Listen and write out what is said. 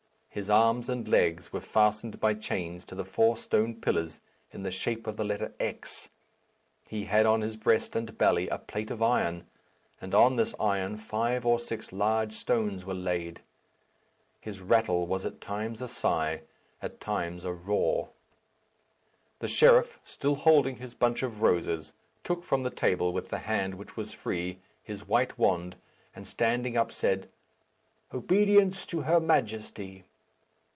His arms and legs were fastened by chains to the four stone pillars in the shape of the letter X. He had on his breast and belly a plate of iron, and on this iron five or six large stones were laid. His rattle was at times a sigh, at times a roar. The sheriff, still holding his bunch of roses, took from the table with the hand which was free his white wand, and standing up said, "Obedience to her Majesty."